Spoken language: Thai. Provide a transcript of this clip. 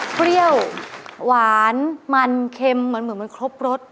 เปรี้ยวหวานมันเค็มเหมือนมันครบรส